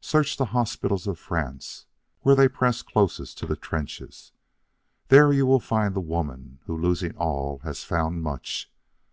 Search the hospitals of France where they press closest to the trenches. There will you find the woman who losing all has found much.